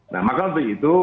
nah maka untuk itu